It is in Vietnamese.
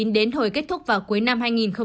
đến hồi kết thúc vào cuối năm hai nghìn hai mươi